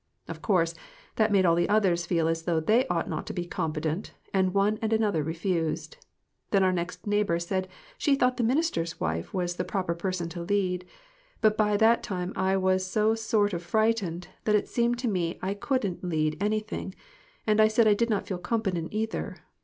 Of course that made all the others feel as though they ought not to be 'competent,' and one and another refused. Then our next neighbor said ,she thought the minister's wife was the proper person to lead ; but by that time I was so sort of frightened that it seemed to me I couldn't lead anything, and I said I did not feel competent, either."